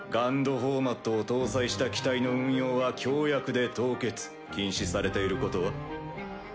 フォーマットを搭載した機体の運用は協約で凍結禁止されていることは？